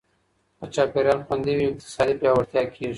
که چاپېریال خوندي وي، اقتصاد پیاوړی کېږي.